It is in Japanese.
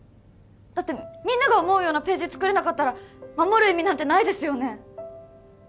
だってみんなが思うようなページつくれなかったら守る意味なんてないですよね？